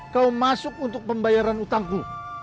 kau masuk untuk pembayaran utangku